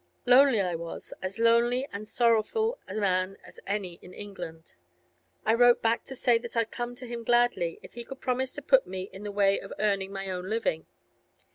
Lonely I was; as lonely and sorrowful a man as any in England. I wrote back to say that I'd come to him gladly if he could promise to put me in the way of earning my own living.